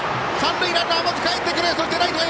三塁ランナー、かえってくる！